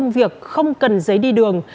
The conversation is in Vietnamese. việc không cần giấy đi đường